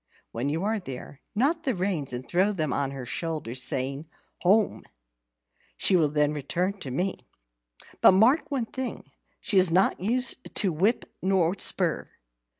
When you are there, knot the reins and throw them on her shoulder, saying, 'Home!' She will then return to me. But mark one thing, she is not used to whip or spur.